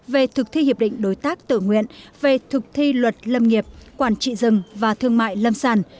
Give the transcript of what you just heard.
về thực thi hiệp định đối tác tự nguyện về thực thi luật lâm nghiệp quản trị rừng và thương mại lâm sản